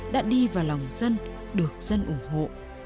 đã đi vào lòng dân được dân ủng hộ